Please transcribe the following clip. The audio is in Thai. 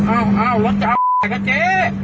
อ้าวอ้าวรถจะเอาอ่ะเจ๊